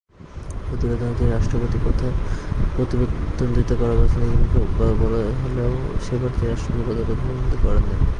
প্রতিবেদনে তিনি রাষ্ট্রপতি পথে প্রতিদ্বন্দ্বিতা করার কথা নিজ মুখে বলেছেন বলে বলা হলেও সেবার তিনি রাষ্ট্রপতি পদে প্রতিদ্বন্দ্বিতা করেন নি।